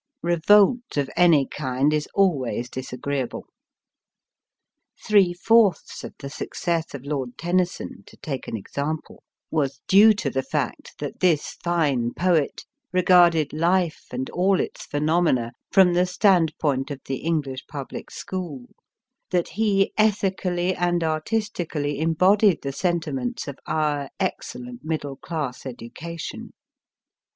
Revolt MR. ROBERT IJUCHANAN AND HIS FAVOURITE DOG of any kind is always disagreeable. Three fourths of the success of Lord Tennyson (to take an example) was due to 296 MY FIRST BOOK the fact that this fine poet regarded Life and all its phenomena from the standpoint of the English public school, that he ethically and artistically embodied the sentiments of our excellent middle class education.